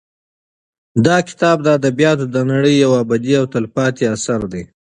دا کتاب د ادبیاتو د نړۍ یو ابدي او تلپاتې اثر دی.